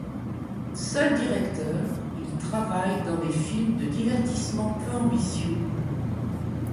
Seul directeur, il travaille dans des films de divertissements peu ambitieux.